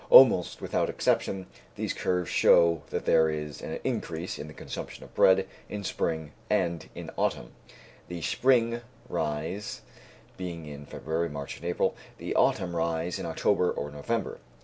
Almost without exception, these curves show that there is an increase in the consumption of bread in spring and in autumn, the spring rise being in February, March, and April; the autumn rise in October or November.